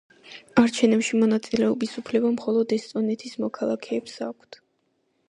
არჩევნებში მონაწილეობის უფლება მხოლოდ ესტონეთის მოქალაქეებს აქვთ.